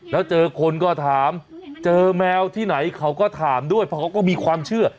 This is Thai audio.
แล้วเจอคนก็ถามเจอแมวที่ไหนเขาก็ถามด้วยเพราะเขาก็มีความเชื่อ